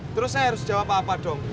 terus saya harus jawab apa apa dong